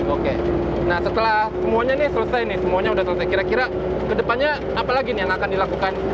oke nah setelah semuanya ini selesai nih semuanya sudah selesai kira kira ke depannya apa lagi nih yang akan dilakukan